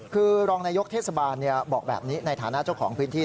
คือรองนายกเทศบาลบอกแบบนี้ในฐานะเจ้าของพื้นที่